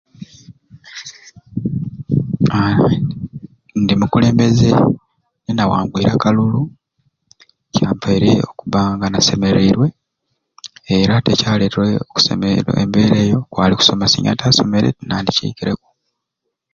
Aaa ndi mukulembeze ninawangwire akalulu kyampaire okubba nga nasemereirwe era ekyaletere okusemeerwa embeera eyo kwali kusoma singa nta somere tinandiciikireku.